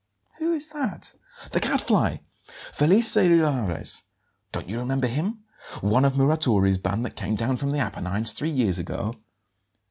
"Who is that?" "The Gadfly Felice Rivarez. Don't you remember him? One of Muratori's band that came down from the Apennines three years ago?"